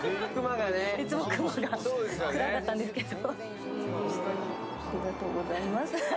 いつもクマが暗かったんですけど。